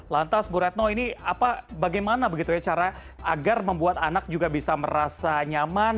lantas bu retno ini bagaimana begitu ya cara agar membuat anak juga bisa merasa nyaman